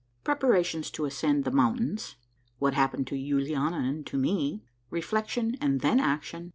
— PKEPARATIONS TO ASCEND THE MOUNTAINS. — WHAT HAPPENED TO YULIANA AND TO ME. — REFLECTION AND THEN ACTION.